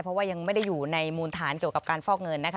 เพราะว่ายังไม่ได้อยู่ในมูลฐานเกี่ยวกับการฟอกเงินนะคะ